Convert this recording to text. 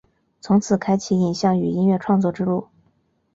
从此开启影像与音乐创作之路。